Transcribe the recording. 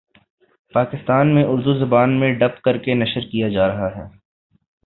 پاکستان میں اردو زبان میں ڈب کر کے نشر کیا جارہا ہے